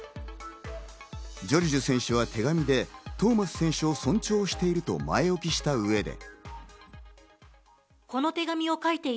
ジョルジュ選手は手紙で、トーマス選手を尊重していると前置きした上で。